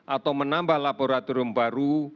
atau menambah laboratorium baru